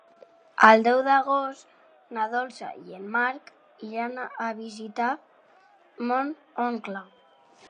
El deu d'agost na Dolça i en Marc iran a visitar mon oncle.